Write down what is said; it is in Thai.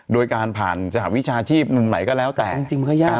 โดยการผ่านสหวิชาชีพนุนใหม่ก็แล้วแต่จริงมันก็ยาก